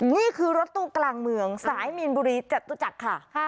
นี่คือรถตู้กลางเมืองสายมีนบุรีจตุจักรค่ะ